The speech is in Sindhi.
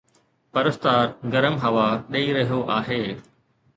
پرستار گرم هوا ڏئي رهيو آهي